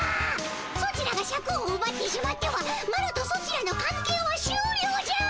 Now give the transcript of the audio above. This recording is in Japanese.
ソチらがシャクをうばってしまってはマロとソチらのかん係はしゅうりょうじゃ！